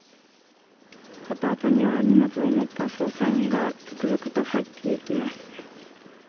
アパートには荷物を持った捜査員が続々と入っていきます